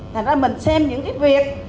thành ra mình xem những cái việc